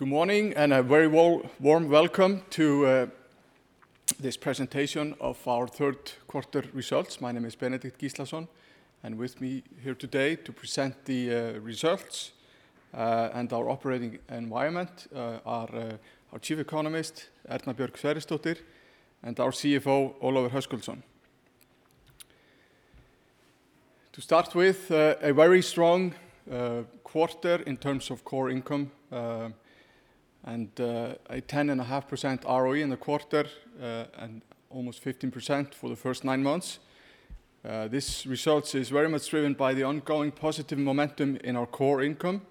Good morning, and a very warm welcome to this presentation of our third quarter results. My name is Benedikt Gíslason, and with me here today to present the results and our operating environment are our chief economist, Erna Björk Sverrisdóttir, and our CFO, Ólafur Höskuldsson. To start with, a very strong quarter in terms of core income, and a 10.5% ROE in the quarter, and almost 15% for the first nine months. This result is very much driven by the ongoing positive momentum in our core income,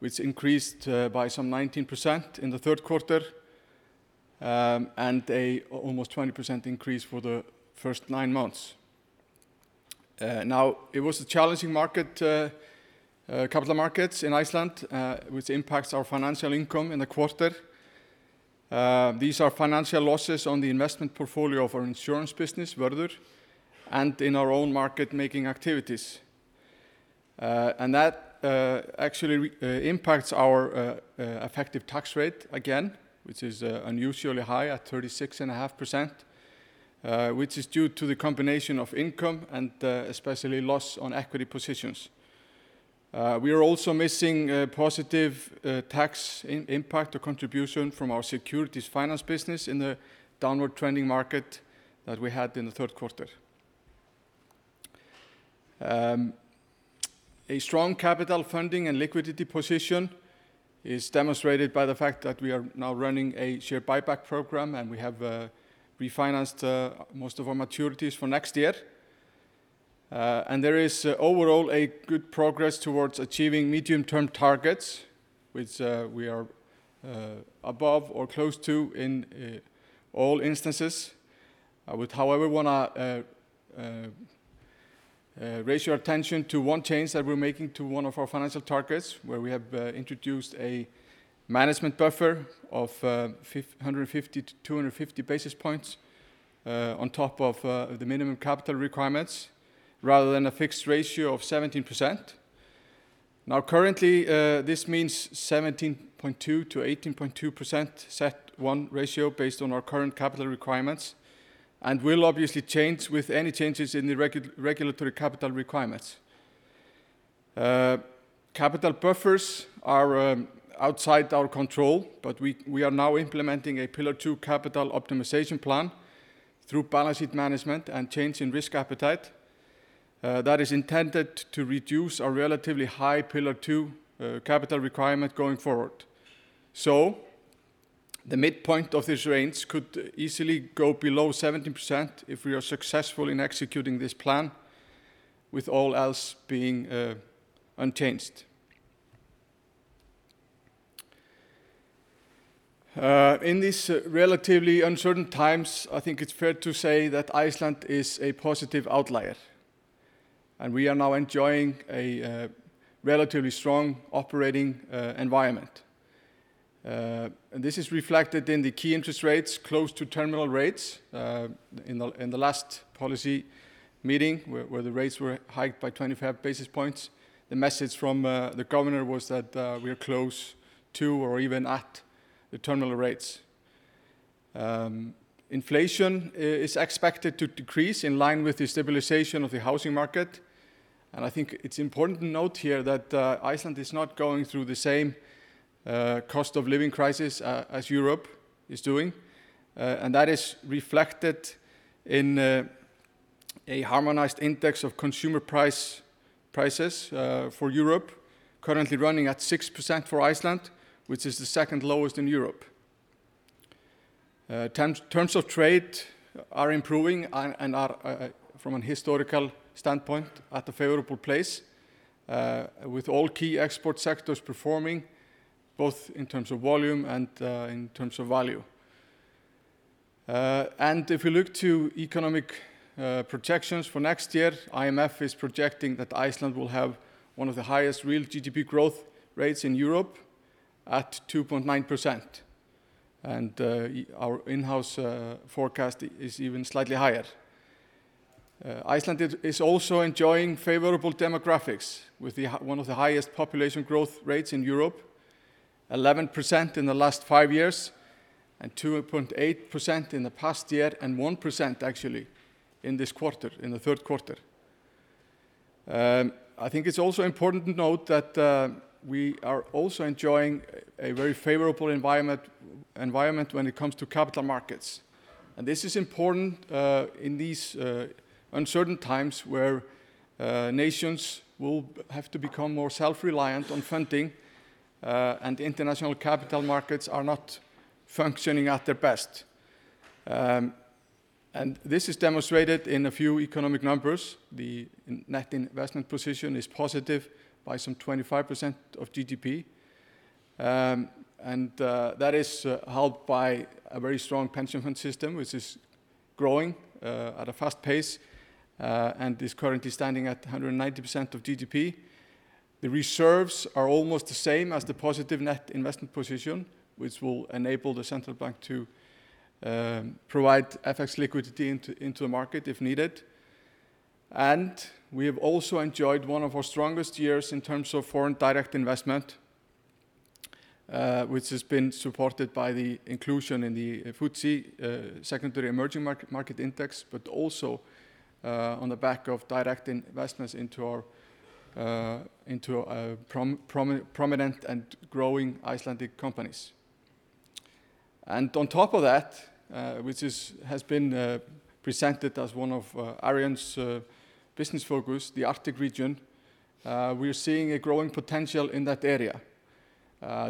which increased by some 19% in the third quarter, and an almost 20% increase for the first nine months. Now it was a challenging market, capital markets in Iceland, which impacts our financial income in the quarter. These are financial losses on the investment portfolio of our insurance business, Vörður, and in our own market making activities. That actually impacts our effective tax rate again, which is unusually high at 36.5%, which is due to the combination of income and especially loss on equity positions. We are also missing a positive tax impact or contribution from our securities finance business in the downward trending market that we had in the third quarter. A strong capital funding and liquidity position is demonstrated by the fact that we are now running a share buyback program, and we have refinanced most of our maturities for next year. There is overall a good progress towards achieving medium-term targets, which we are above or close to in all instances. I would, however, wanna raise your attention to one change that we're making to one of our financial targets, where we have introduced a management buffer of 150-250 basis points on top of the minimum capital requirements rather than a fixed ratio of 17%. Now currently, this means 17.2-18.2% CET1 ratio based on our current capital requirements, and will obviously change with any changes in the regulatory capital requirements. Capital buffers are outside our control, but we are now implementing a Pillar 2 capital optimization plan through balance sheet management and change in risk appetite that is intended to reduce our relatively high Pillar 2 capital requirement going forward. The midpoint of this range could easily go below 17% if we are successful in executing this plan with all else being unchanged. In these relatively uncertain times, I think it's fair to say that Iceland is a positive outlier, and we are now enjoying a relatively strong operating environment. This is reflected in the key interest rates close to terminal rates in the last policy meeting where the rates were hiked by 25 basis points. The message from the governor was that we're close to or even at the terminal rates. Inflation is expected to decrease in line with the stabilization of the housing market, and I think it's important to note here that Iceland is not going through the same cost of living crisis as Europe is doing. That is reflected in a harmonized index of consumer prices for Europe currently running at 6% for Iceland, which is the second lowest in Europe. Terms of trade are improving and are from a historical standpoint at a favorable place with all key export sectors performing both in terms of volume and in terms of value. If you look to economic projections for next year, IMF is projecting that Iceland will have one of the highest real GDP growth rates in Europe at 2.9%, and our in-house forecast is even slightly higher. Iceland is also enjoying favorable demographics with one of the highest population growth rates in Europe, 11% in the last 5 years, and 2.8% in the past year, and 1%, actually, in this quarter, in the third quarter. I think it's also important to note that we are also enjoying a very favorable environment when it comes to capital markets. This is important in these uncertain times where nations will have to become more self-reliant on funding and international capital markets are not functioning at their best. This is demonstrated in a few economic numbers. The net investment position is positive by some 25% of GDP, and that is helped by a very strong pension fund system which is growing at a fast pace, and is currently standing at 190% of GDP. The reserves are almost the same as the positive net investment position, which will enable the central bank to provide FX liquidity into the market if needed. We have also enjoyed one of our strongest years in terms of foreign direct investment, which has been supported by the inclusion in the FTSE secondary emerging market index, but also on the back of direct investments into our prominent and growing Icelandic companies. On top of that, which has been presented as one of Arion's business focus, the Arctic region, we're seeing a growing potential in that area.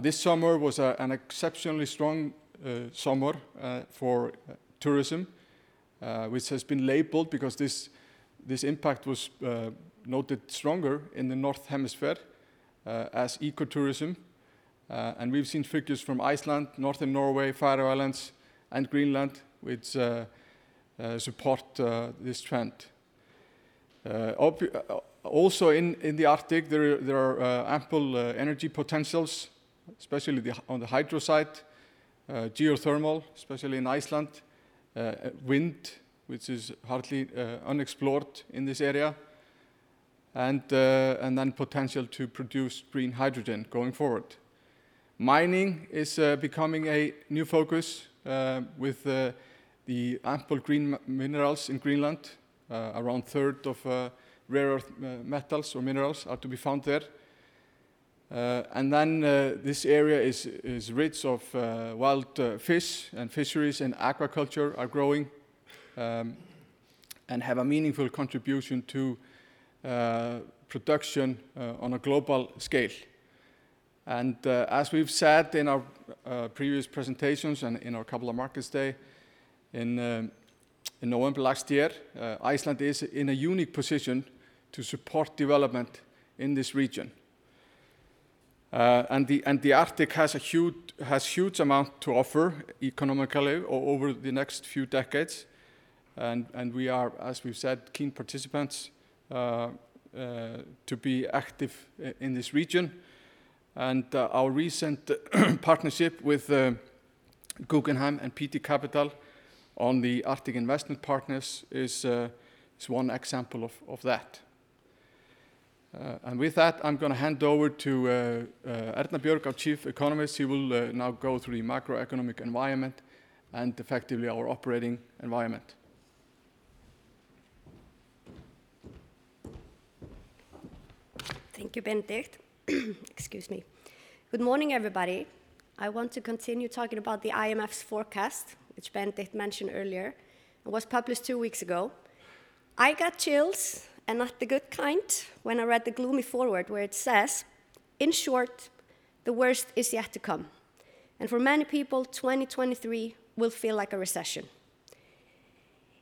This summer was an exceptionally strong summer for tourism, which has been labeled because this impact was noted stronger in the Northern Hemisphere, as ecotourism. We've seen figures from Iceland, northern Norway, Faroe Islands, and Greenland which support this trend. Also in the Arctic there are ample energy potentials, especially on the hydro side. Geothermal, especially in Iceland. Wind, which is hardly unexplored in this area, and then potential to produce green hydrogen going forward. Mining is becoming a new focus with the ample green minerals in Greenland. Around a third of rare earth metals or minerals are to be found there. This area is rich in wild fish, and fisheries and aquaculture are growing and have a meaningful contribution to production on a global scale. As we've said in our previous presentations and in our Capital Markets Day in November last year, Iceland is in a unique position to support development in this region. The Arctic has a huge amount to offer economically over the next few decades, and we are, as we've said, keen participants to be active in this region. Our recent partnership with Guggenheim and PT Capital on the Arctic Investment Partners is one example of that. With that, I'm gonna hand over to Erna Björk, our Chief Economist, who will now go through the macroeconomic environment and effectively our operating environment. Thank you, Benedikt. Excuse me. Good morning, everybody. I want to continue talking about the IMF's forecast, which Benedikt mentioned earlier, and was published two weeks ago. I got chills, and not the good kind, when I read the gloomy forecast where it says, "In short, the worst is yet to come, and for many people, 2023 will feel like a recession."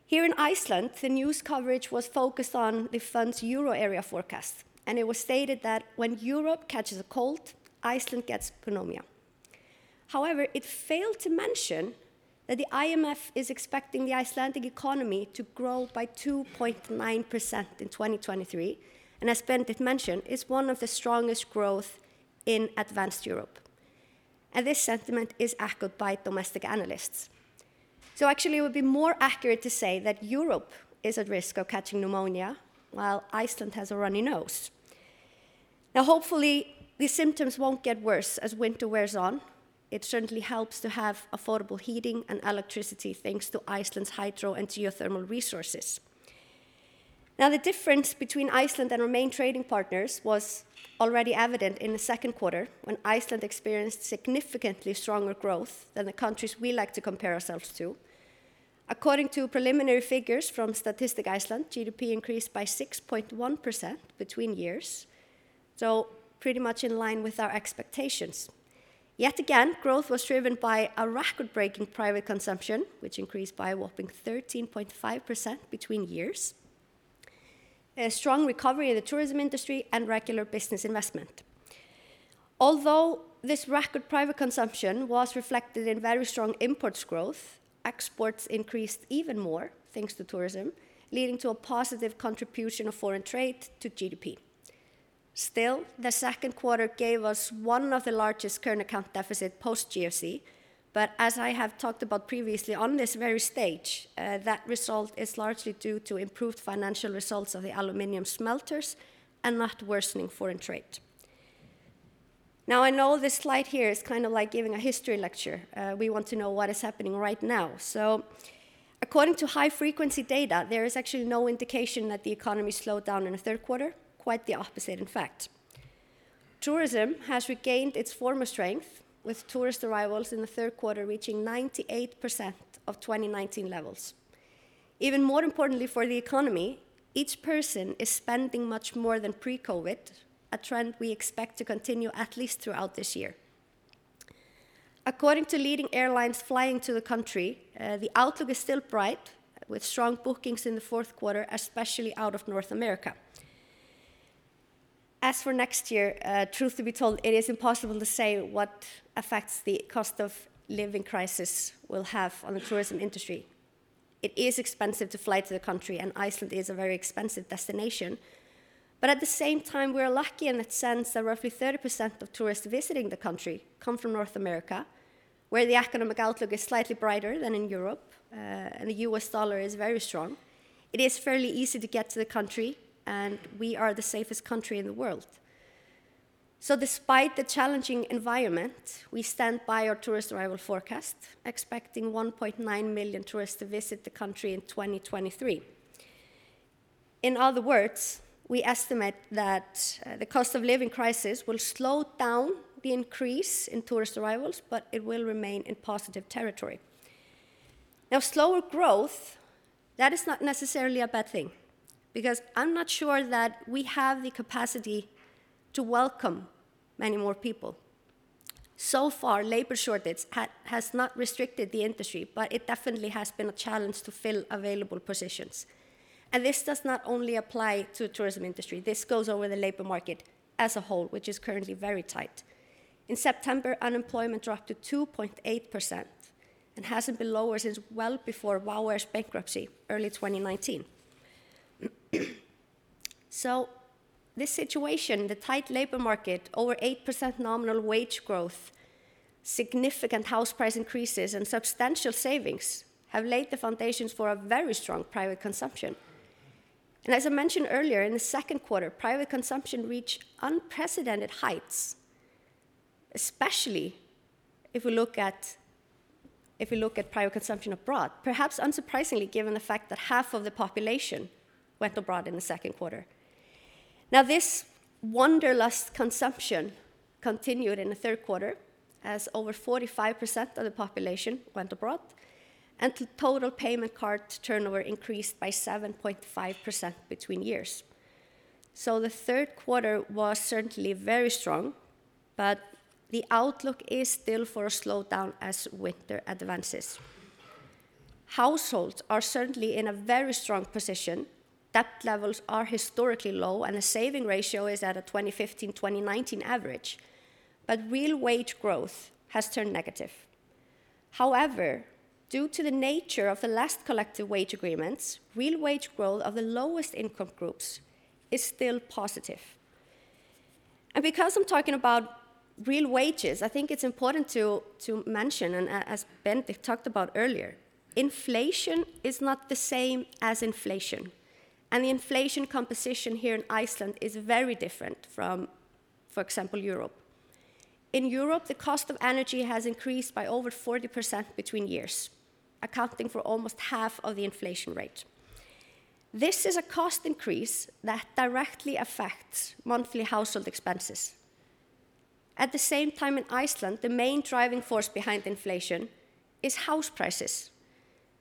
Here in Iceland, the news coverage was focused on the fund's euro area forecast, and it was stated that when Europe catches a cold, Iceland gets pneumonia. However, it failed to mention that the IMF is expecting the Icelandic economy to grow by 2.9% in 2023, and as Benedikt mentioned, it's one of the strongest growth in advanced Europe. This sentiment is echoed by domestic analysts. Actually, it would be more accurate to say that Europe is at risk of catching pneumonia, while Iceland has a runny nose. Now, hopefully, the symptoms won't get worse as winter wears on. It certainly helps to have affordable heating and electricity, thanks to Iceland's hydro and geothermal resources. Now, the difference between Iceland and our main trading partners was already evident in the second quarter, when Iceland experienced significantly stronger growth than the countries we like to compare ourselves to. According to preliminary figures from Statistics Iceland, GDP increased by 6.1% between years, so pretty much in line with our expectations. Yet again, growth was driven by a record-breaking private consumption, which increased by a whopping 13.5% between years, a strong recovery in the tourism industry, and regular business investment. Although this record private consumption was reflected in very strong imports growth, exports increased even more, thanks to tourism, leading to a positive contribution of foreign trade to GDP. Still, the second quarter gave us one of the largest current account deficit post GFC, but as I have talked about previously on this very stage, that result is largely due to improved financial results of the aluminum smelters and not worsening foreign trade. Now, I know this slide here is kind of like giving a history lecture. We want to know what is happening right now. According to high-frequency data, there is actually no indication that the economy slowed down in the third quarter. Quite the opposite, in fact. Tourism has regained its former strength, with tourist arrivals in the third quarter reaching 98% of 2019 levels. Even more importantly for the economy, each person is spending much more than pre-COVID, a trend we expect to continue at least throughout this year. According to leading airlines flying to the country, the outlook is still bright, with strong bookings in the fourth quarter, especially out of North America. As for next year, truth to be told, it is impossible to say what effects the cost-of-living crisis will have on the tourism industry. It is expensive to fly to the country, and Iceland is a very expensive destination. At the same time, we are lucky in the sense that roughly 30% of tourists visiting the country come from North America, where the economic outlook is slightly brighter than in Europe, and the U.S. dollar is very strong. It is fairly easy to get to the country, and we are the safest country in the world. Despite the challenging environment, we stand by our tourist arrival forecast, expecting 1.9 million tourists to visit the country in 2023. In other words, we estimate that the cost of living crisis will slow down the increase in tourist arrivals, but it will remain in positive territory. Now, slower growth, that is not necessarily a bad thing, because I'm not sure that we have the capacity to welcome many more people. So far, labor shortage has not restricted the industry, but it definitely has been a challenge to fill available positions. This does not only apply to tourism industry, this goes over the labor market as a whole, which is currently very tight. In September, unemployment dropped to 2.8% and hasn't been lower since well before WOW air's bankruptcy, early 2019. This situation, the tight labor market, over 8% nominal wage growth, significant house price increases, and substantial savings have laid the foundations for a very strong private consumption. As I mentioned earlier, in the second quarter, private consumption reached unprecedented heights, especially if we look at private consumption abroad, perhaps unsurprisingly, given the fact that half of the population went abroad in the second quarter. Now, this wanderlust consumption continued in the third quarter as over 45% of the population went abroad, and the total payment card turnover increased by 7.5% between years. The third quarter was certainly very strong, but the outlook is still for a slowdown as winter advances. Households are certainly in a very strong position. Debt levels are historically low, and the saving ratio is at a 2015-2019 average. Real wage growth has turned negative. However, due to the nature of the last collective wage agreements, real wage growth of the lowest income groups is still positive. Because I'm talking about real wages, I think it's important to mention, as Bent talked about earlier, inflation is not the same as inflation. The inflation composition here in Iceland is very different from, for example, Europe. In Europe, the cost of energy has increased by over 40% between years, accounting for almost half of the inflation rate. This is a cost increase that directly affects monthly household expenses. At the same time, in Iceland, the main driving force behind inflation is house prices,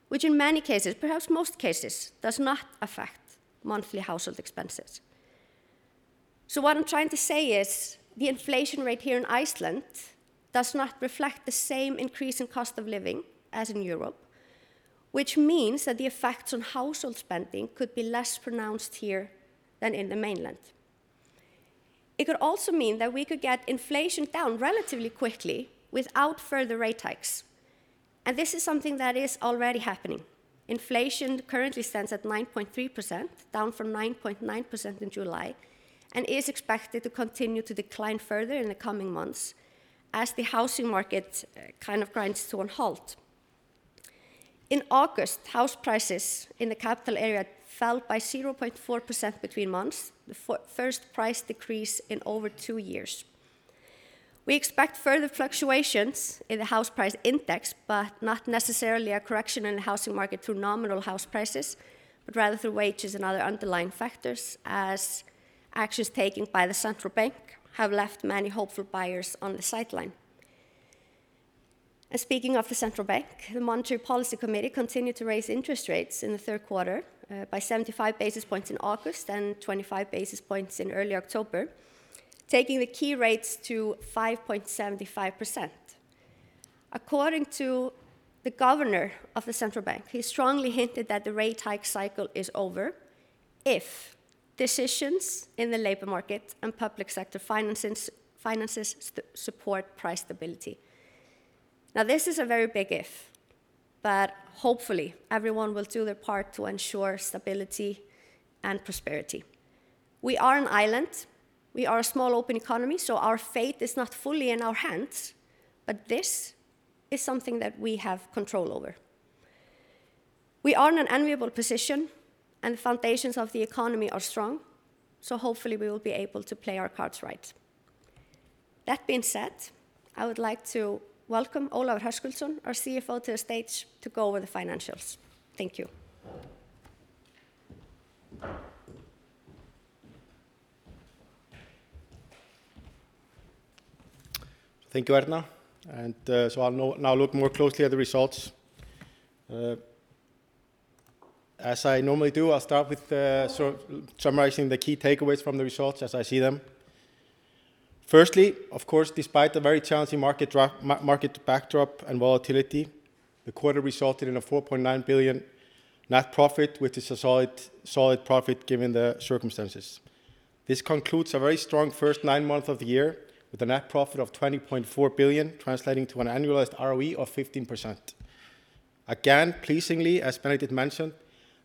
which in many cases, perhaps most cases, does not affect monthly household expenses. What I'm trying to say is the inflation rate here in Iceland does not reflect the same increase in cost of living as in Europe, which means that the effects on household spending could be less pronounced here than in the mainland. It could also mean that we could get inflation down relatively quickly without further rate hikes, and this is something that is already happening. Inflation currently stands at 9.3%, down from 9.9% in July, and is expected to continue to decline further in the coming months as the housing market kind of grinds to a halt. In August, house prices in the capital area fell by 0.4% between months, the first price decrease in over two years. We expect further fluctuations in the house price index, but not necessarily a correction in the housing market through nominal house prices, but rather through wages and other underlying factors as actions taken by the central bank have left many hopeful buyers on the sideline. Speaking of the central bank, the Monetary Policy Committee continued to raise interest rates in the third quarter by 75 basis points in August and 25 basis points in early October, taking the key rates to 5.75%. According to the governor of the central bank, he strongly hinted that the rate hike cycle is over if decisions in the labor market and public sector finances support price stability. Now, this is a very big if, but hopefully everyone will do their part to ensure stability and prosperity. We are an island. We are a small open economy, so our fate is not fully in our hands, but this is something that we have control over. We are in an enviable position, and the foundations of the economy are strong, so hopefully we will be able to play our cards right. That being said, I would like to welcome Ólafur Höskuldsson, our CFO, to the stage to go over the financials. Thank you. Thank you, Erna. I'll now look more closely at the results. As I normally do, I'll start with summarizing the key takeaways from the results as I see them. Firstly, of course, despite the very challenging market backdrop and volatility, the quarter resulted in an 4.9 billion net profit, which is a solid profit given the circumstances. This concludes a very strong first nine-month of the year with a net profit of 20.4 billion, translating to an annualized ROE of 15%. Again, pleasingly, as Benedikt mentioned,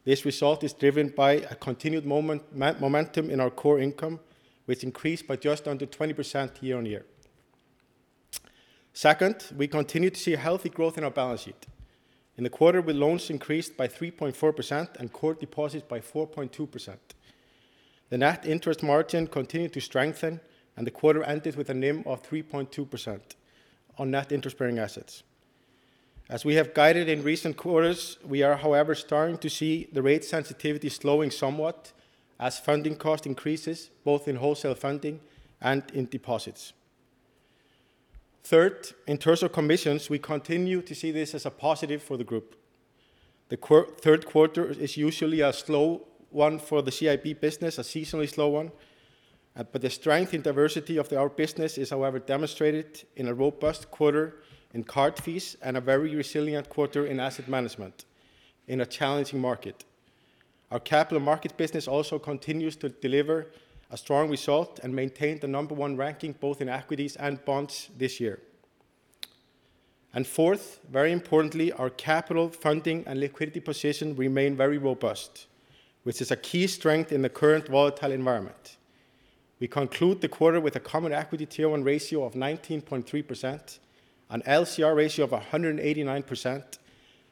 this result is driven by a continued momentum in our core income, which increased by just under 20% year-on-year. Second, we continue to see healthy growth in our balance sheet. In the quarter, loans increased by 3.4% and core deposits by 4.2%. The net interest margin continued to strengthen and the quarter ended with a NIM of 3.2% on net interest-bearing assets. As we have guided in recent quarters, we are, however, starting to see the rate sensitivity slowing somewhat as funding cost increases both in wholesale funding and in deposits. Third, in terms of commissions, we continue to see this as a positive for the group. The third quarter is usually a slow one for the CIB business, a seasonally slow one, but the strength and diversity of our business is, however, demonstrated in a robust quarter in card fees and a very resilient quarter in asset management in a challenging market. Our capital market business also continues to deliver a strong result and maintain the number one ranking both in equities and bonds this year. Fourth, very importantly, our capital funding and liquidity position remain very robust, which is a key strength in the current volatile environment. We conclude the quarter with a common equity tier one ratio of 19.3%, an LCR ratio of 189%,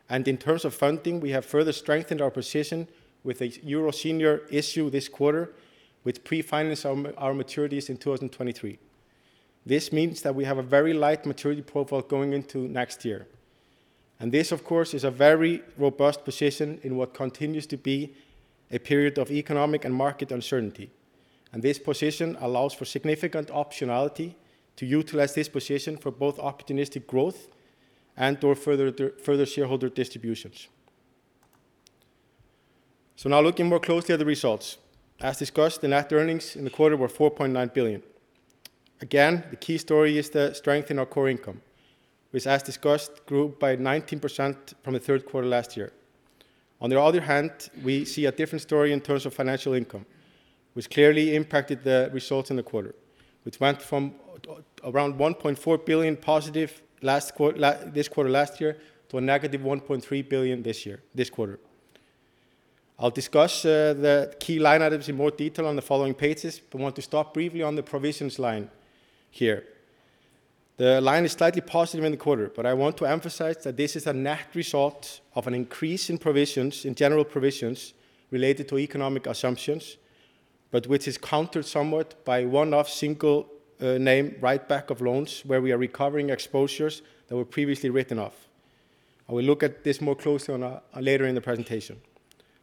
and in terms of funding, we have further strengthened our position with a Euro senior issue this quarter to pre-finance our maturities in 2023. This means that we have a very light maturity profile going into next year. This of course is a very robust position in what continues to be a period of economic and market uncertainty. This position allows for significant optionality to utilize this position for both opportunistic growth and or further further shareholder distributions. Now looking more closely at the results. As discussed, the net earnings in the quarter were 4.9 billion. Again, the key story is the strength in our core income, which as discussed, grew by 19% from the third quarter last year. On the other hand, we see a different story in terms of financial income, which clearly impacted the results in the quarter, which went from around positive 1.4 billion this quarter last year to a negative 1.3 billion this year, this quarter. I'll discuss the key line items in more detail on the following pages, but want to stop briefly on the provisions line here. The line is slightly positive in the quarter, but I want to emphasize that this is a net result of an increase in provisions, in general provisions related to economic assumptions, but which is countered somewhat by one-off single name write-back of loans where we are recovering exposures that were previously written off. I will look at this more closely later in the presentation.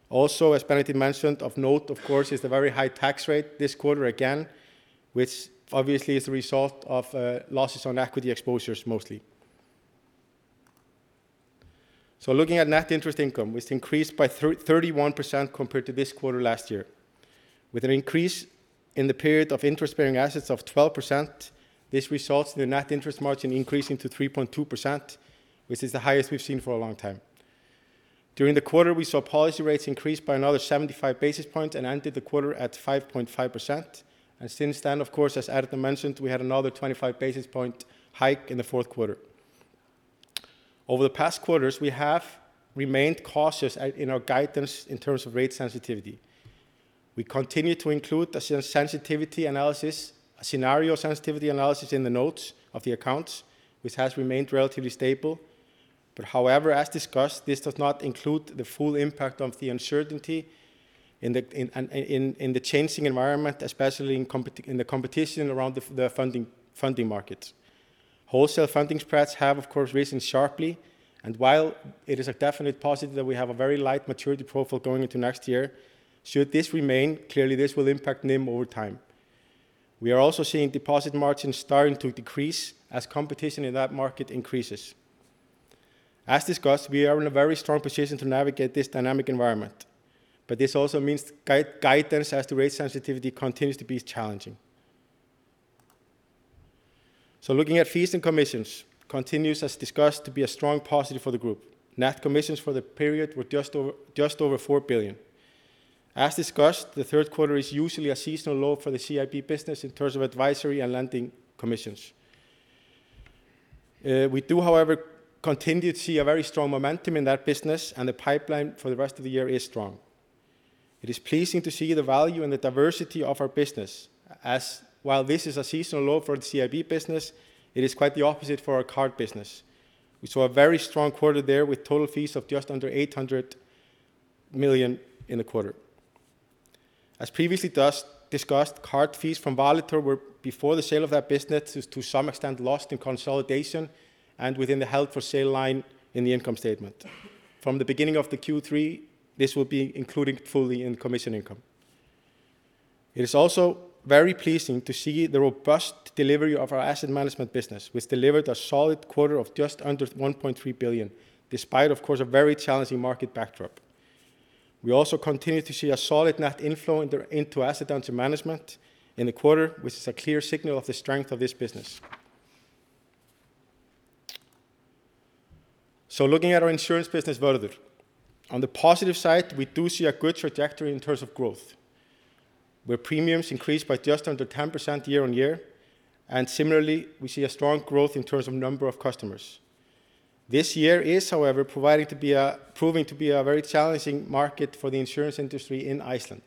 Also, as Benedict mentioned, of note, of course, is the very high tax rate this quarter again, which obviously is the result of losses on equity exposures mostly. Looking at net interest income, which increased by 31% compared to this quarter last year. With an increase in the period of interest bearing assets of 12%, this results in the net interest margin increasing to 3.2%, which is the highest we've seen for a long time. During the quarter, we saw policy rates increase by another 75 basis points and ended the quarter at 5.5%. Since then, of course, as Erna mentioned, we had another 25 basis points hike in the fourth quarter. Over the past quarters, we have remained cautious at, you know, guidance in terms of rate sensitivity. We continue to include a sensitivity analysis, a scenario sensitivity analysis in the notes of the accounts, which has remained relatively stable. However, as discussed, this does not include the full impact of the uncertainty in the changing environment, especially in the competition around the funding markets. Wholesale funding spreads have, of course, risen sharply, and while it is a definite positive that we have a very light maturity profile going into next year, should this remain, clearly this will impact NIM over time. We are also seeing deposit margins starting to decrease as competition in that market increases. As discussed, we are in a very strong position to navigate this dynamic environment, but this also means guidance as to rate sensitivity continues to be challenging. Looking at fees and commissions continues, as discussed, to be a strong positive for the group. Net commissions for the period were just over 4 billion. As discussed, the third quarter is usually a seasonal low for the CIB business in terms of advisory and lending commissions. We do, however, continue to see a very strong momentum in that business, and the pipeline for the rest of the year is strong. It is pleasing to see the value and the diversity of our business, as while this is a seasonal low for the CIB business, it is quite the opposite for our card business. We saw a very strong quarter there with total fees of just under 800 million in the quarter. As previously discussed, card fees from Valitor were before the sale of that business is to some extent lost in consolidation and within the held-for-sale line in the income statement. From the beginning of the Q3, this will be included fully in commission income. It is also very pleasing to see the robust delivery of our asset management business, which delivered a solid quarter of just under 1.3 billion, despite, of course, a very challenging market backdrop. We also continue to see a solid net inflow into assets under management in the quarter, which is a clear signal of the strength of this business. Looking at our insurance business, Vörður. On the positive side, we do see a good trajectory in terms of growth where premiums increased by just under 10% year-on-year, and similarly, we see a strong growth in terms of number of customers. This year is, however, proving to be a very challenging market for the insurance industry in Iceland.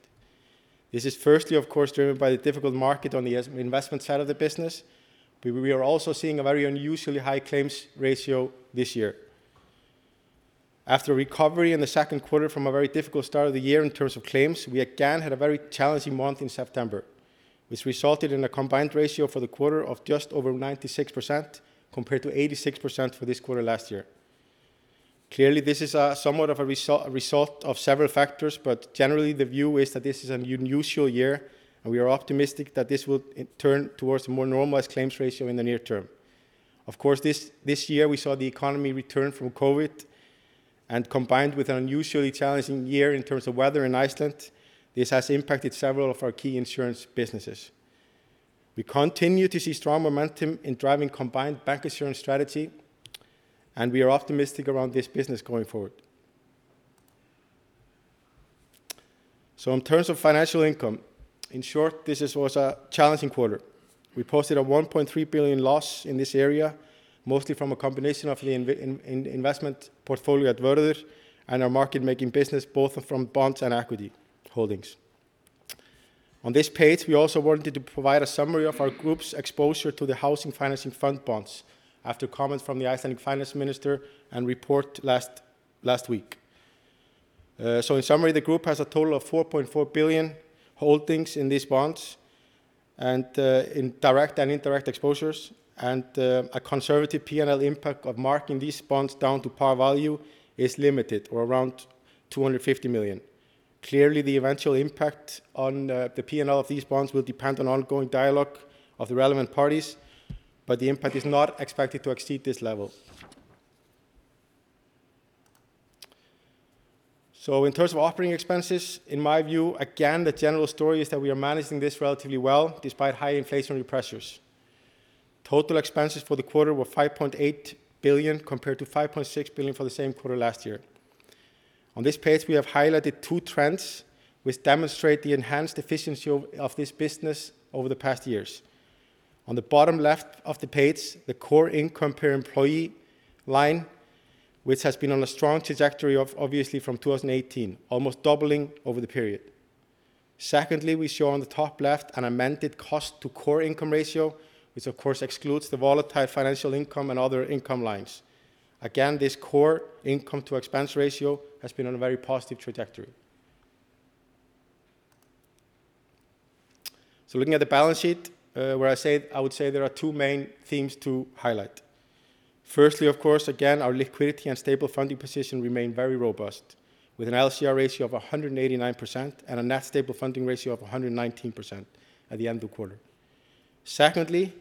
This is firstly, of course, driven by the difficult market on the investment side of the business. We are also seeing a very unusually high claims ratio this year. After recovery in the second quarter from a very difficult start of the year in terms of claims, we again had a very challenging month in September, which resulted in a combined ratio for the quarter of just over 96% compared to 86% for this quarter last year. Clearly, this is somewhat of a result of several factors, but generally the view is that this is an unusual year, and we are optimistic that this will turn towards a more normalized claims ratio in the near term. Of course, this year we saw the economy return from COVID and combined with an unusually challenging year in terms of weather in Iceland, this has impacted several of our key insurance businesses. We continue to see strong momentum in driving combined bank insurance strategy, and we are optimistic around this business going forward. In terms of financial income, in short, this was a challenging quarter. We posted a 1.3 billion loss in this area, mostly from a combination of the investment portfolio at Vörður and our market making business, both from bonds and equity holdings. On this page, we also wanted to provide a summary of our group's exposure to the Housing Financing Fund bonds after comments from the Icelandic finance minister and report last week. In summary, the group has a total of 4.4 billion holdings in these bonds and in direct and indirect exposures, and a conservative P&L impact of marking these bonds down to par value is limited or around 250 million. Clearly, the eventual impact on the P&L of these bonds will depend on ongoing dialogue of the relevant parties, but the impact is not expected to exceed this level. In terms of operating expenses, in my view, again, the general story is that we are managing this relatively well despite high inflationary pressures. Total expenses for the quarter were 5.8 billion compared to 5.6 billion for the same quarter last year. On this page, we have highlighted two trends which demonstrate the enhanced efficiency of this business over the past years. On the bottom left of the page, the core income per employee line, which has been on a strong trajectory, obviously from 2018, almost doubling over the period. Secondly, we show on the top left an amended cost to core income ratio, which of course excludes the volatile financial income and other income lines. Again, this core income to expense ratio has been on a very positive trajectory. Looking at the balance sheet, I would say there are two main themes to highlight. Firstly, of course, again, our liquidity and stable funding position remain very robust with an LCR ratio of 189% and a net stable funding ratio of 119% at the end of the quarter. Secondly,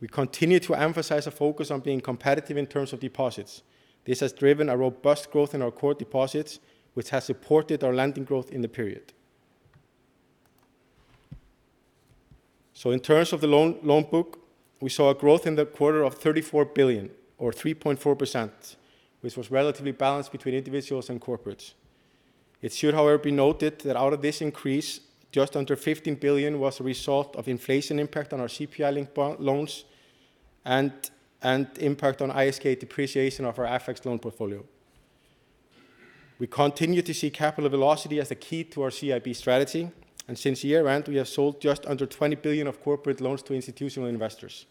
we continue to emphasize a focus on being competitive in terms of deposits. This has driven a robust growth in our core deposits, which has supported our lending growth in the period. In terms of the loan book, we saw a growth in the quarter of 34 billion or 3.4%, which was relatively balanced between individuals and corporates. It should, however, be noted that out of this increase, just under 15 billion was a result of inflation impact on our CPI-linked loans and impact on ISK depreciation of our FX loan portfolio. We continue to see capital velocity as the key to our CIB strategy, and since year-end, we have sold just under 20 billion of corporate loans to institutional investors.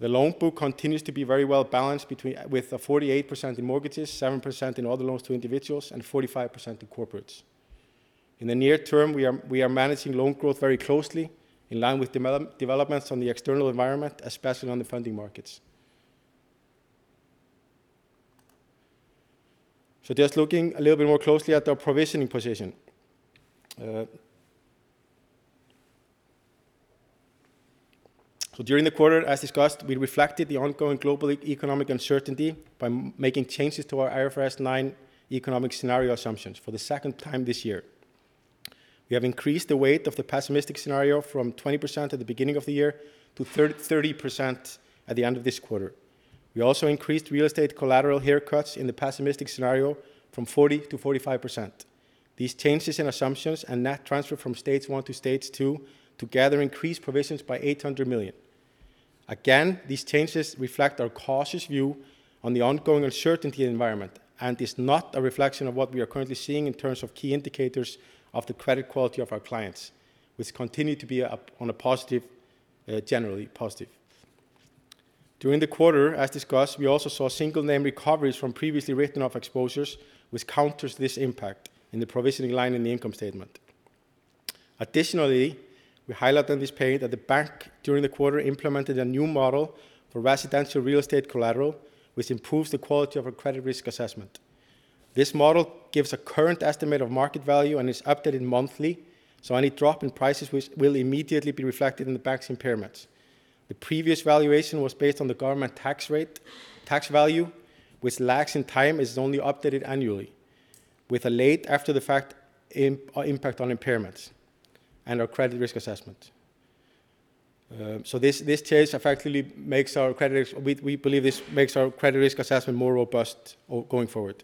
The loan book continues to be very well balanced between with a 48% in mortgages, 7% in all the loans to individuals, and 45% to corporates. In the near term, we are managing loan growth very closely in line with developments on the external environment, especially on the funding markets. Just looking a little bit more closely at our provisioning position. During the quarter, as discussed, we reflected the ongoing global economic uncertainty by making changes to our IFRS 9 economic scenario assumptions for the second time this year. We have increased the weight of the pessimistic scenario from 20% at the beginning of the year to 30% at the end of this quarter. We also increased real estate collateral haircuts in the pessimistic scenario from 40% to 45%. These changes in assumptions and net transfer from Stage 1 to Stage 2 together increased provisions by 800 million. Again, these changes reflect our cautious view on the ongoing uncertainty environment and is not a reflection of what we are currently seeing in terms of key indicators of the credit quality of our clients, which continue to be up on a positive, generally positive. During the quarter, as discussed, we also saw single name recoveries from previously written-off exposures, which counters this impact in the provisioning line in the income statement. Additionally, we highlight on this page that the bank during the quarter implemented a new model for residential real estate collateral, which improves the quality of our credit risk assessment. This model gives a current estimate of market value and is updated monthly, so any drop in prices will immediately be reflected in the bank's impairments. The previous valuation was based on the government tax rate, tax value, which lags in time as it's only updated annually with a late after the fact impact on impairments and our credit risk assessment. This change effectively makes our credit risk—we believe this makes our credit risk assessment more robust going forward.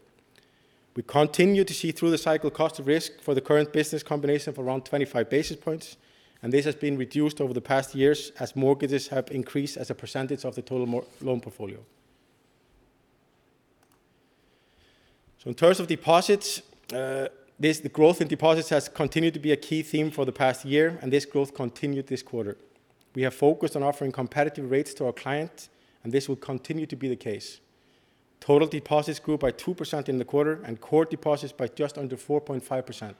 We continue to see through the cycle cost of risk for the current business combination of around 25 basis points, and this has been reduced over the past years as mortgages have increased as a percentage of the total loan portfolio. In terms of deposits, the growth in deposits has continued to be a key theme for the past year, and this growth continued this quarter. We have focused on offering competitive rates to our clients, and this will continue to be the case. Total deposits grew by 2% in the quarter, and core deposits by just under 4.5%.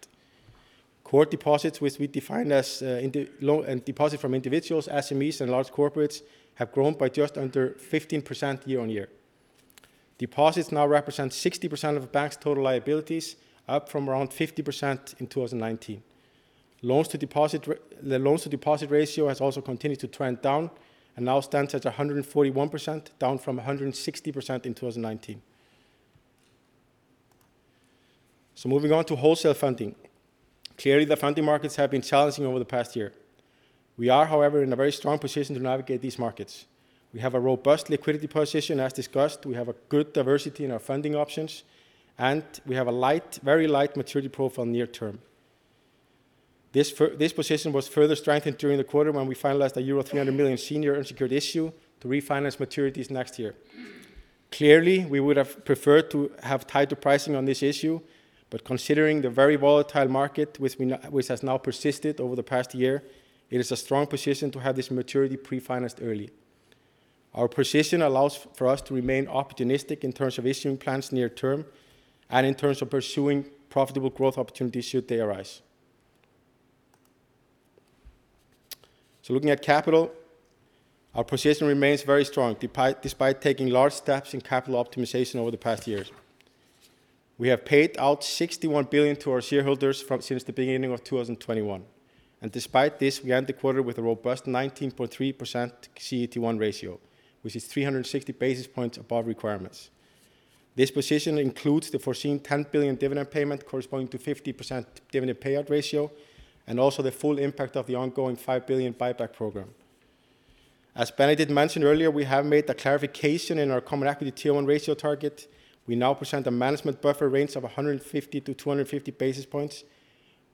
Core deposits, which we define as deposits from individuals, SMEs, and large corporates, have grown by just under 15% year-over-year. Deposits now represent 60% of the bank's total liabilities, up from around 50% in 2019. The loans to deposit ratio has also continued to trend down and now stands at 141%, down from 160% in 2019. Moving on to wholesale funding. Clearly, the funding markets have been challenging over the past year. We are, however, in a very strong position to navigate these markets. We have a robust liquidity position, as discussed, we have a good diversity in our funding options, and we have a light, very light maturity profile near term. This position was further strengthened during the quarter when we finalized a euro 300 million senior unsecured issue to refinance maturities next year. Clearly, we would have preferred to have tied to pricing on this issue, but considering the very volatile market which has now persisted over the past year, it is a strong position to have this maturity pre-financed early. Our position allows for us to remain opportunistic in terms of issuing plans near term and in terms of pursuing profitable growth opportunities should they arise. Looking at capital, our position remains very strong despite taking large steps in capital optimization over the past years. We have paid out 61 billion to our shareholders since the beginning of 2021. Despite this, we end the quarter with a robust 19.3% CET1 ratio, which is 360 basis points above requirements. This position includes the foreseen 10 billion dividend payment corresponding to 50% dividend payout ratio, and also the full impact of the ongoing 5 billion buyback program. As Benedikt mentioned earlier, we have made a clarification in our common equity Tier I ratio target. We now present a management buffer range of 150-250 basis points,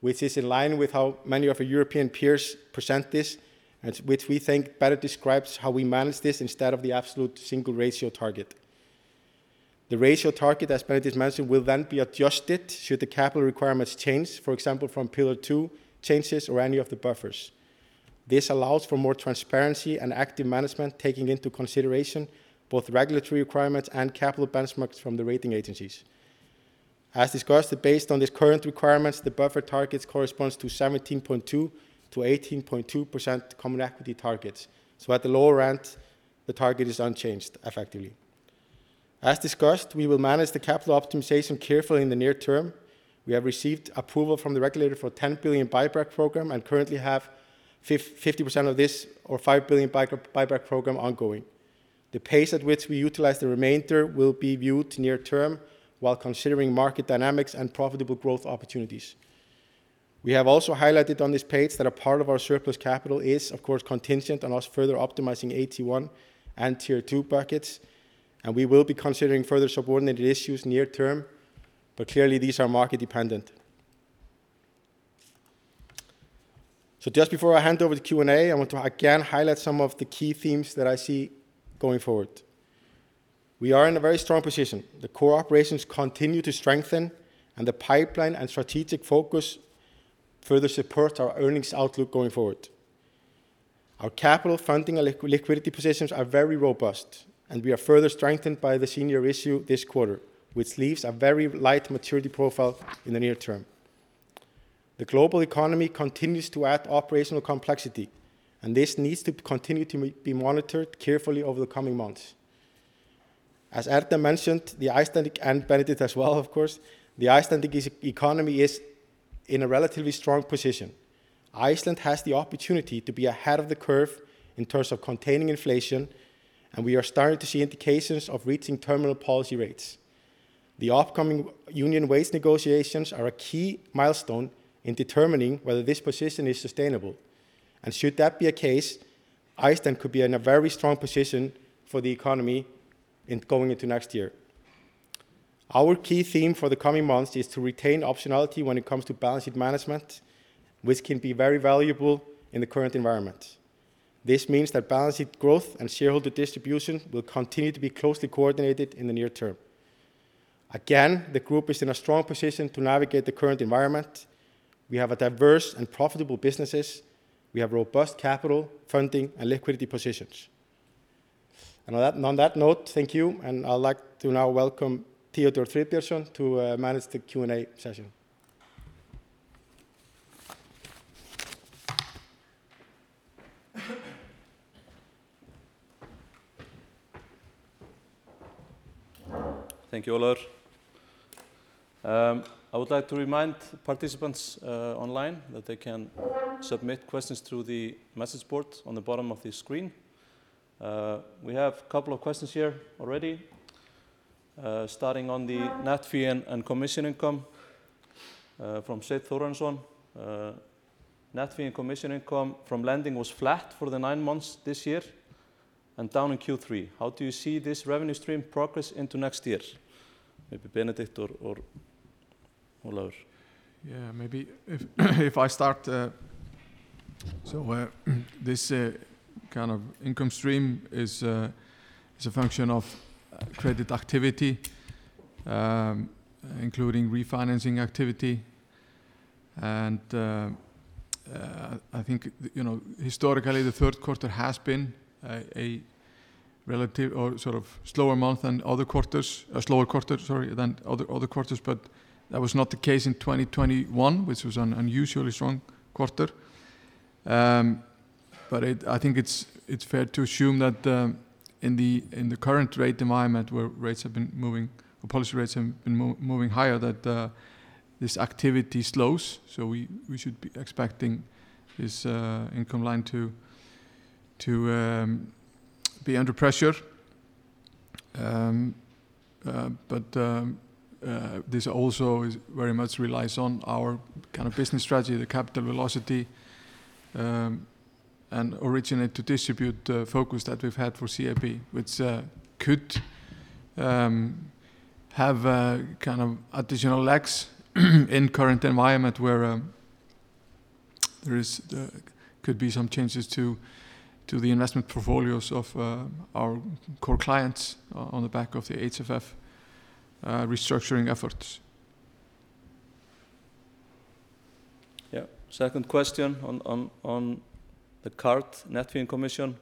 which is in line with how many of our European peers present this, and which we think better describes how we manage this instead of the absolute single ratio target. The ratio target, as Benedikt mentioned, will then be adjusted should the capital requirements change, for example, from Pillar 2 changes or any of the buffers. This allows for more transparency and active management, taking into consideration both regulatory requirements and capital benchmarks from the rating agencies. As discussed, based on these current requirements, the buffer targets corresponds to 17.2%-18.2% common equity targets. At the lower end, the target is unchanged effectively. As discussed, we will manage the capital optimization carefully in the near term. We have received approval from the regulator for a 10 billion buyback program and currently have 50% of this or 5 billion buyback program ongoing. The pace at which we utilize the remainder will be viewed near term while considering market dynamics and profitable growth opportunities. We have also highlighted on this page that a part of our surplus capital is, of course, contingent on us further optimizing AT1 and Tier 2 buckets, and we will be considering further subordinated issues near term, but clearly these are market dependent. Just before I hand over to Q&A, I want to again highlight some of the key themes that I see going forward. We are in a very strong position. The core operations continue to strengthen and the pipeline and strategic focus further support our earnings outlook going forward. Our capital funding and liquidity positions are very robust, and we are further strengthened by the senior issue this quarter, which leaves a very light maturity profile in the near term. The global economy continues to add operational complexity, and this needs to continue to be monitored carefully over the coming months. As Erna mentioned, the Icelandic, and Benedikt as well, of course, the Icelandic economy is in a relatively strong position. Iceland has the opportunity to be ahead of the curve in terms of containing inflation, and we are starting to see indications of reaching terminal policy rates. The upcoming union wage negotiations are a key milestone in determining whether this position is sustainable. Should that be the case, Iceland could be in a very strong position for the economy in going into next year. Our key theme for the coming months is to retain optionality when it comes to balance sheet management, which can be very valuable in the current environment. This means that balance sheet growth and shareholder distribution will continue to be closely coordinated in the near term. Again, the group is in a strong position to navigate the current environment. We have a diverse and profitable businesses. We have robust capital funding and liquidity positions. On that note, thank you, and I'd like to now welcome Theodor Fridbjornsson to manage the Q&A session. Thank you, Ólafur. I would like to remind participants online that they can submit questions through the message board on the bottom of the screen. We have a couple of questions here already. Starting on the net fee and commission income from Sveinn Thorarinsson. Net fee and commission income from lending was flat for the nine months this year and down in Q3. How do you see this revenue stream progress into next year? Maybe Benedikt or Ólafur. Yeah, maybe if I start, this kind of income stream is a function of credit activity, including refinancing activity. I think, you know, historically the third quarter has been a relative or sort of slower quarter than other quarters, but that was not the case in 2021, which was an unusually strong quarter. I think it's fair to assume that in the current rate environment where rates have been moving or policy rates have been moving higher, this activity slows, so we should be expecting this income line to be under pressure. This also very much relies on our kind of business strategy, the capital velocity, and originate to distribute focus that we've had for CIB, which could have kind of additional lags in current environment where there could be some changes to the investment portfolios of our core clients on the back of the HFF restructuring efforts. Second question on the card net fee and commission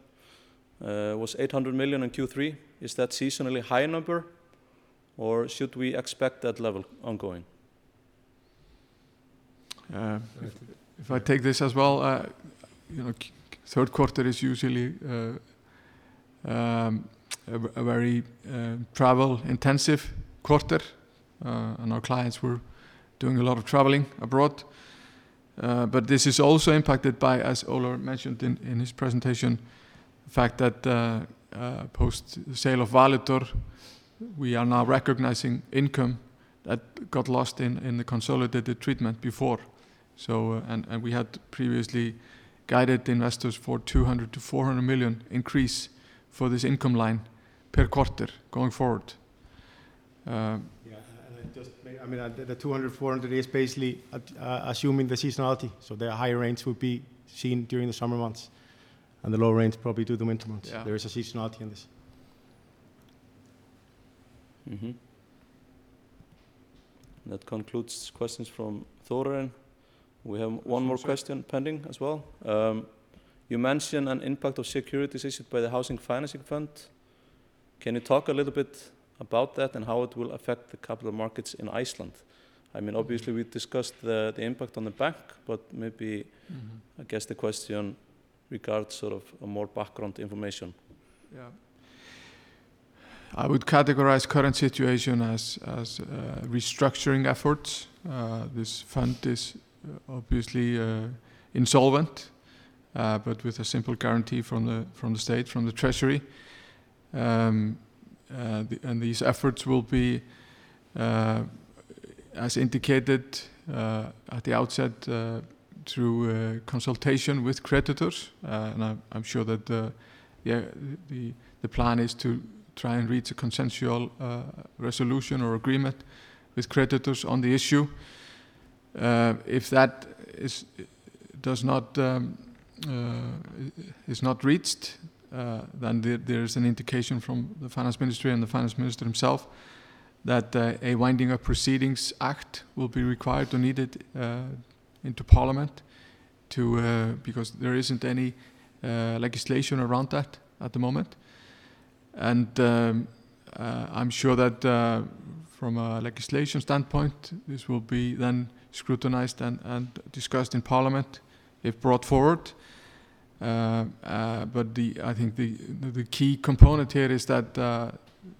was 800 million in Q3. Is that seasonally high number or should we expect that level ongoing? If I take this as well, you know, third quarter is usually a very travel intensive quarter, and our clients were doing a lot of traveling abroad. This is also impacted by, as Ólafur Höskuldsson mentioned in his presentation, the fact that post-sale of Valitor, we are now recognizing income that got lost in the consolidated treatment before. We had previously guided investors for 200 million-400 million increase for this income line per quarter going forward. I mean, the 200-400 is basically assuming the seasonality. The higher range will be seen during the summer months and the lower range probably through the winter months. Yeah. There is a seasonality in this. Mm-hmm. That concludes questions from Thorarinsson. We have one more question pending as well. You mentioned an impact of securities issued by the Housing Financing Fund. Can you talk a little bit about that and how it will affect the capital markets in Iceland? I mean, obviously we discussed the impact on the bank, but maybe- Mm-hmm. I guess the question regards sort of a more background information. Yeah. I would categorize current situation as restructuring efforts. This fund is obviously insolvent, but with a simple guarantee from the state, from the treasury. These efforts will be as indicated at the outset through consultation with creditors. I'm sure that, yeah, the plan is to try and reach a consensual resolution or agreement with creditors on the issue. If that is not reached, then there is an indication from the finance ministry and the finance minister himself that a winding up proceedings act will be required or needed into parliament because there isn't any legislation around that at the moment. I'm sure that from a legislation standpoint, this will be then scrutinized and discussed in parliament if brought forward. I think the key component here is that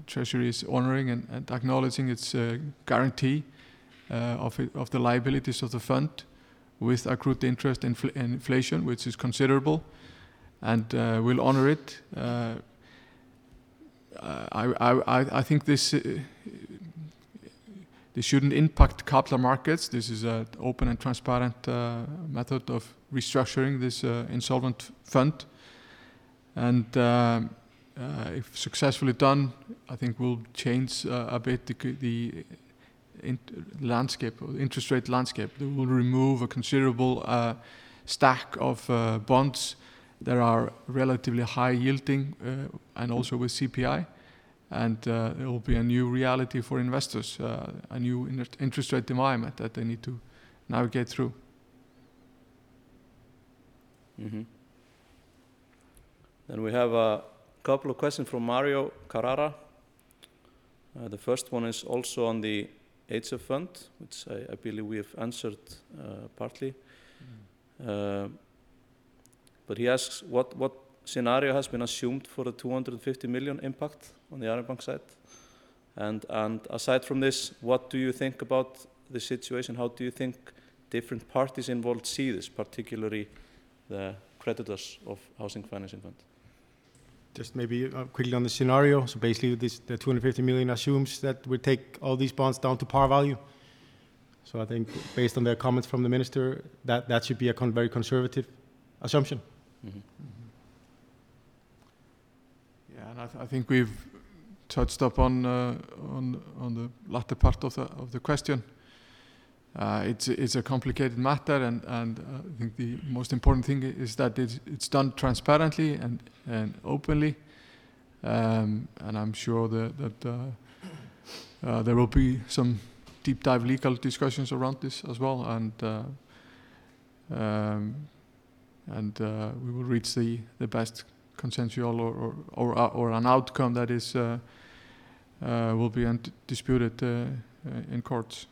treasury is honoring and acknowledging its guarantee of the liabilities of the fund with accrued interest inflation, which is considerable, and will honor it. I think this shouldn't impact capital markets. This is an open and transparent method of restructuring this insolvent fund. If successfully done, I think will change a bit the interest rate landscape. It will remove a considerable stack of bonds that are relatively high-yielding, and also with CPI, and it will be a new reality for investors, a new entire interest rate environment that they need to navigate through. We have a couple of questions from Mario Carrara. The first one is also on the HFF fund, which I believe we have answered partly. He asks what scenario has been assumed for the 250 million impact on the Arion Bank side? Aside from this, what do you think about the situation? How do you think different parties involved see this, particularly the creditors of Housing Financing Fund? Just maybe, quickly on the scenario. Basically this, the 250 million assumes that we take all these bonds down to par value. I think based on the comments from the minister, that should be a very conservative assumption. I think we've touched upon the latter part of the question. It's a complicated matter and I think the most important thing is that it's done transparently and openly. I'm sure that there will be some deep dive legal discussions around this as well and we will reach the best consensus or an outcome that will be undisputed in courts.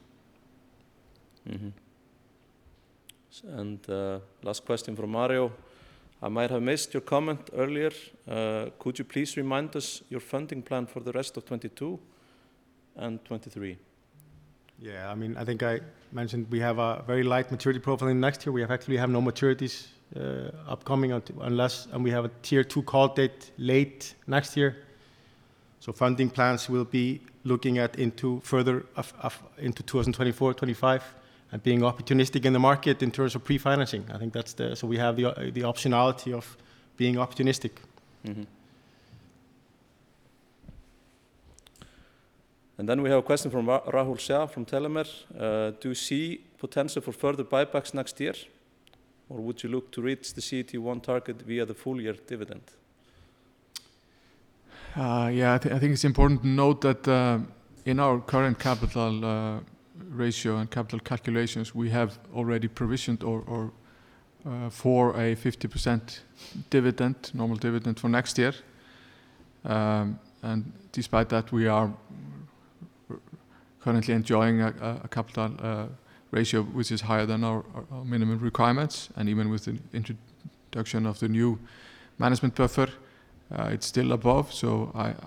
Last question from Mario Carrara: I might have missed your comment earlier. Could you please remind us your funding plan for the rest of 2022 and 2023? Yeah. I mean, I think I mentioned we have a very light maturity profile next year. We actually have no maturities upcoming, and we have a Tier 2 call date late next year. Funding plans will be looking further into 2024, 2025, and being opportunistic in the market in terms of pre-financing. I think that's so we have the optionality of being opportunistic. Mm-hmm. We have a question from Rahul Shah from Tellimer: Do you see potential for further buybacks next year, or would you look to reach the CET1 target via the full year dividend? Yeah. I think it's important to note that, in our current capital ratio and capital calculations, we have already provisioned for a 50% dividend, normal dividend for next year. Despite that, we are currently enjoying a capital ratio which is higher than our minimum requirements. Even with the introduction of the new management buffer, it's still above.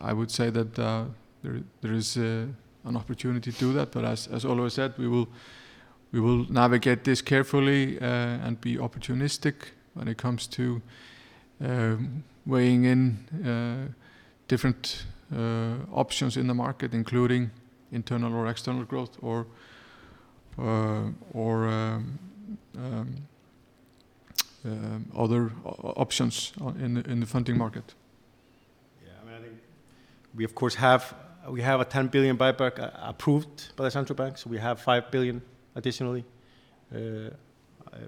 I would say that, there is an opportunity to do that. As Ólafur Höskuldsson said, we will navigate this carefully and be opportunistic when it comes to weighing in different options in the market, including internal or external growth or other options in the funding market. Yeah. I mean, I think we of course have a 10 billion buyback approved by the central bank, so we have 5 billion additionally,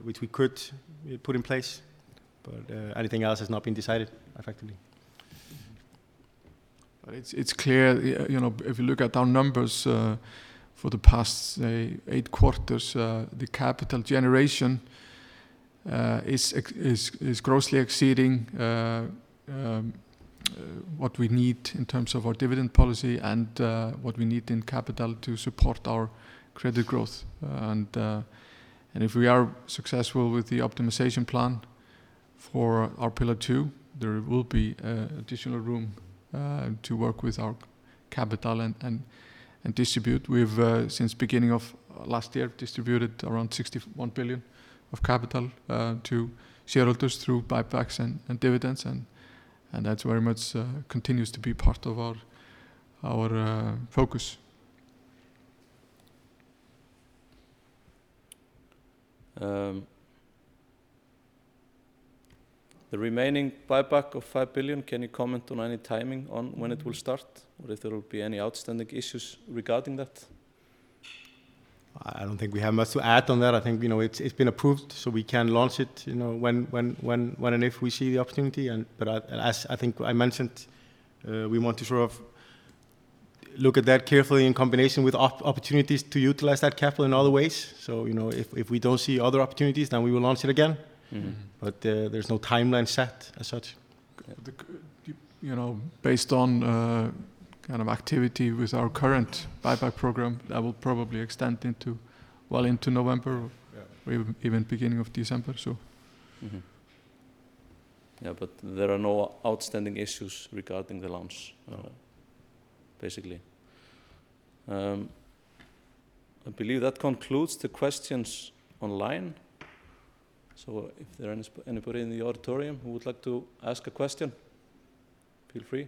which we could put in place. Anything else has not been decided effectively. It's clear, you know, if you look at our numbers for the past, say, eight quarters, the capital generation is grossly exceeding what we need in terms of our dividend policy and if we are successful with the optimization plan for our Pillar 2, there will be additional room to work with our capital and distribute. We've since beginning of last year, distributed around 61 billion of capital to shareholders through buybacks and dividends and that very much continues to be part of our focus. The remaining buyback of 5 billion, can you comment on any timing on when it will start, or if there will be any outstanding issues regarding that? I don't think we have much to add on that. I think, you know, it's been approved, so we can launch it, you know, when and if we see the opportunity and, but as I think I mentioned, we want to sort of look at that carefully in combination with opportunities to utilize that capital in other ways. You know, if we don't see other opportunities, then we will launch it again. Mm-hmm. There's no timeline set as such. You know, based on kind of activity with our current buyback program, that will probably extend well into November. Yeah or even beginning of December, so. There are no outstanding issues regarding the launch. No basically. I believe that concludes the questions online. If there are anybody in the auditorium who would like to ask a question, feel free.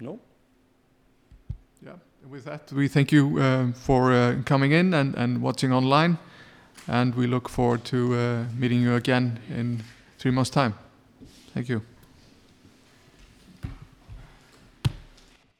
No? Yeah. With that, we thank you for coming in and watching online, and we look forward to meeting you again in three months' time. Thank you.